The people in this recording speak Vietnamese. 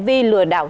với đủ các loại giao